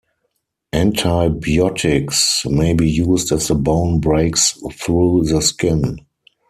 Antibiotics may be used if the bone breaks through the skin.